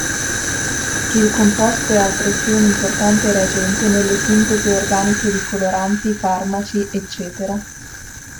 Il composto è altresì un importante reagente nelle sintesi organiche di coloranti, farmaci ecc.